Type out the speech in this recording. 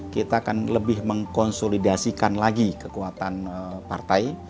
kita akan lebih mengkonsolidasikan lagi kekuatan partai